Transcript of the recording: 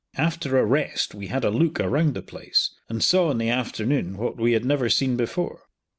After a rest, we had a look around the place, and saw in the afternoon what we had never seen before.